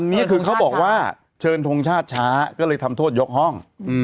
อันนี้คือเขาบอกว่าเชิญทงชาติช้าก็เลยทำโทษยกห้อง